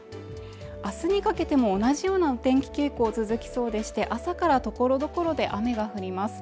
明日にかけても同じような天気傾向続きそうでして朝から所々で雨が降ります